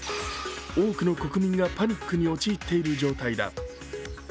多くの国民がパニックに陥っている状態だ。